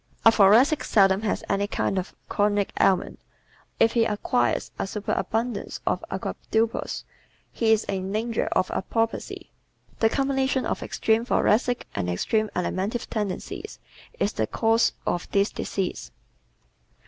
A Thoracic seldom has any kind of chronic ailment. If he acquires a superabundance of avoirdupois he is in danger of apoplexy. The combination of extreme Thoracic and extreme Alimentive tendencies is the cause of this disease.